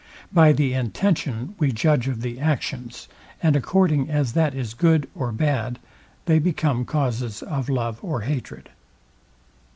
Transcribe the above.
By the intention we judge of the actions, and according as that is good or bad, they become causes of love or hatred.